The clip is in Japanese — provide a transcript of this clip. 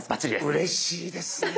うれしいですね。